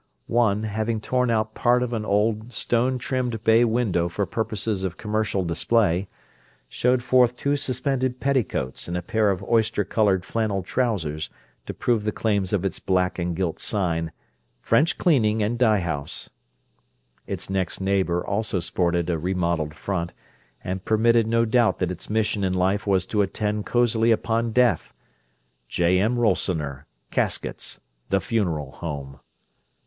One, having torn out part of an old stone trimmed bay window for purposes of commercial display, showed forth two suspended petticoats and a pair of oyster coloured flannel trousers to prove the claims of its black and gilt sign: "French Cleaning and Dye House." Its next neighbour also sported a remodelled front and permitted no doubt that its mission in life was to attend cosily upon death: "J. M. Rolsener. Caskets. The Funeral Home."